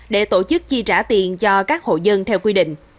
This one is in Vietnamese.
để tổ chức chi trả tiền cho các hộ dân theo quy định